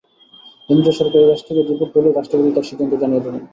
কেন্দ্রীয় সরকারের কাছ থেকে রিপোর্ট পেলেই রাষ্ট্রপতি তাঁর সিদ্ধান্ত জানিয়ে দেবেন।